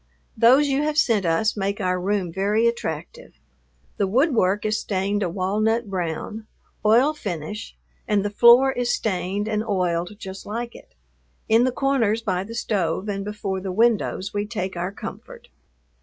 Those you have sent us make our room very attractive. The woodwork is stained a walnut brown, oil finish, and the floor is stained and oiled just like it. In the corners by the stove and before the windows we take our comfort.